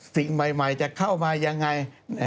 สิ่งใหม่จะเข้ามายังไง